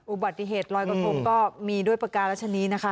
อุบัติเหตุลอยกระทงก็มีด้วยปากการัชนีนะคะ